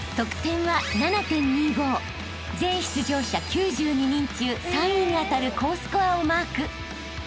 ［全出場者９２人中３位にあたる高スコアをマーク］